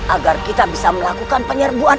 agar kita bisa melakukan penyerbuan